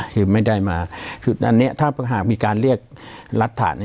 คือไม่ได้มาคืออันนี้ถ้าหากมีการเรียกรัฐฐาน